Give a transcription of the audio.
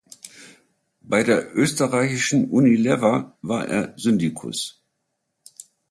Bei der Österreichischen Unilever war er Syndikus.